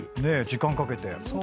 時間かけて。